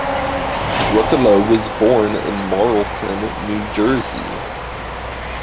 Ruccolo was born in Marlton, New Jersey.